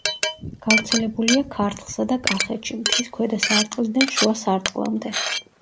გავრცელებულია ქართლსა და კახეთში, მთის ქვედა სარტყლიდან შუა სარტყლამდე.